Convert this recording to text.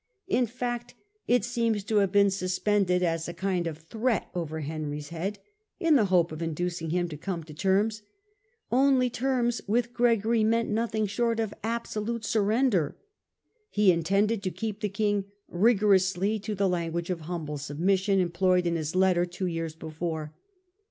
*In fact, it seems to have been suspended as a kind of threat over Henry's head, in the hope of inducing him to come to terms — only terms with Gregory meant nothing short of absolute surrender. He intended to keep the king rigorously to the language of humble submission em ployed in his letter two years before.